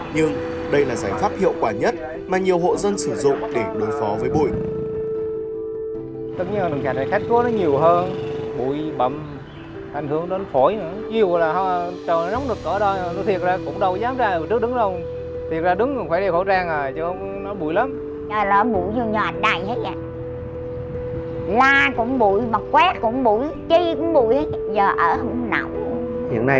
nhưng đây là giải pháp hiệu quả nhất mà nhiều hộ dân sử dụng để đối phó với bụi